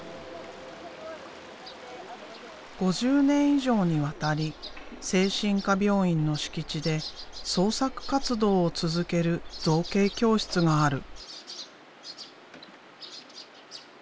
５０年以上にわたり精神科病院の敷地で創作活動を続ける造形教室がある。